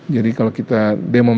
jadi kalau kita demo